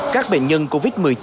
các bệnh nhân covid một mươi chín